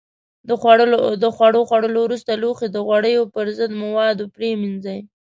د خوړو خوړلو وروسته لوښي د غوړیو پر ضد موادو پرېمنځئ.